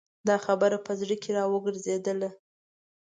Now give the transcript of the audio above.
دا خبره په زړه کې را وګرځېدله.